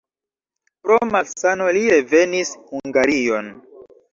Pro malsano li revenis Hungarion.